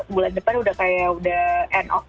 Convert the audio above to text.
bulan depan sudah kayak end of